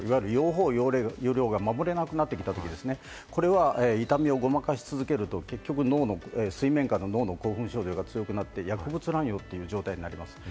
用法・用量が守れなくなってきた場合ですね、これは痛みをごまかし続けると結局、脳の水面下の脳の興奮状態が強くなって薬物乱用という状態になります。